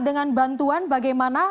dengan bantuan bagaimana